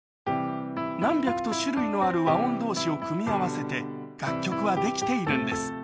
何百と種類のある和音同士を組み合わせて楽曲はできているんです